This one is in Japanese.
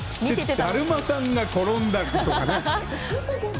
だるまさんが転んだとかね。